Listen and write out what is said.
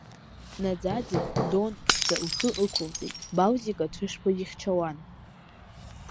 Наӡаӡе Дон ԥшӡа лхы ақәылҵеит, Балтика Цәышба ихьчауан!